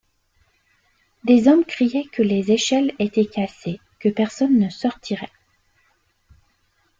Des hommes criaient que les échelles étaient cassées, que personne ne sortirait.